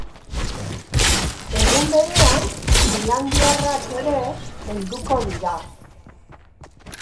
Egun berean, finlandiarrak ere helduko dira.